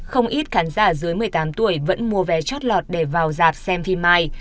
không ít khán giả dưới một mươi tám tuổi vẫn mua vé chót lọt để vào dạp xem phim mai